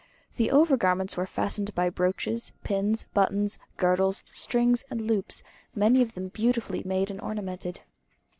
The over garments were fastened by brooches, pins, buttons, girdles, strings, and loops, many of them beautifully made and ornamented.